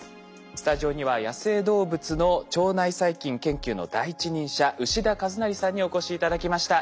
スタジオには野生動物の腸内細菌研究の第一人者牛田一成さんにお越し頂きました。